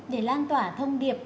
để lan tỏa thông điệp